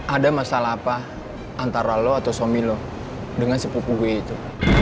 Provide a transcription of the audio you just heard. ada masalah apa antara lo atau suami lo dengan sepupu gue itu